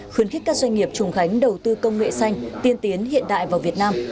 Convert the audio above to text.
khuyến khích các doanh nghiệp trùng khánh đầu tư công nghệ xanh tiên tiến hiện đại vào việt nam